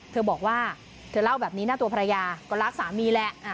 เธอบอกว่าเธอเล่าแบบนี้นะตัวภรรยาก็รักสามีแหละ